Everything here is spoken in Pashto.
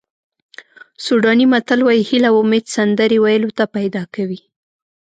سوډاني متل وایي هیله او امید سندرې ویلو ته پیدا کوي.